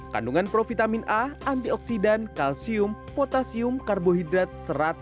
kandungan provitamin a antioksidan kalsium potasium karbohidrat serat